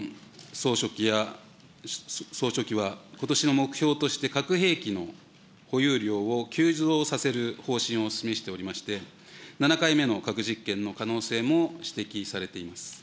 総書記や、総書記はことしの目標として、核兵器の保有量を急増させる方針を示しておりまして、７回目の核実験の可能性も指摘されています。